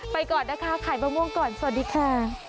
ก่อนนะคะขายมะม่วงก่อนสวัสดีค่ะ